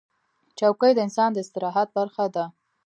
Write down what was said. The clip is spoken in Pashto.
چوکۍ د انسان د استراحت برخه ده.